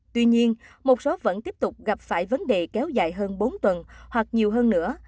tuy nhiên một số vẫn tiếp tục gặp phải vấn đề kéo dài hơn bốn tuần hoặc nhiều hơn nữa